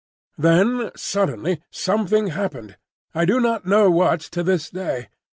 Then suddenly something happened,—I do not know what, to this day.